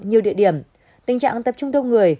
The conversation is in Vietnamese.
nhiều địa điểm tình trạng tập trung đông người